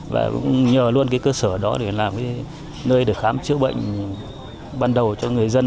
và cũng nhờ luôn cơ sở đó để làm nơi để khám chữa bệnh ban đầu cho người dân